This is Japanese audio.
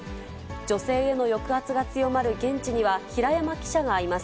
女性への抑圧が強まる現地には、平山記者がいます。